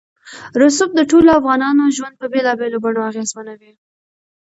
رسوب د ټولو افغانانو ژوند په بېلابېلو بڼو اغېزمنوي.